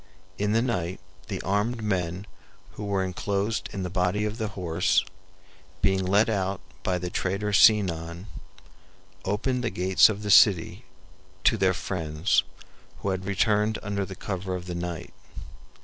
In the night the armed men who were enclosed in the body of the horse, being let out by the traitor Sinon, opened the gates of the city to their friends, who had returned under cover of the night.